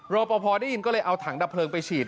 รอปภได้ยินก็เลยเอาถังดับเพลิงไปฉีด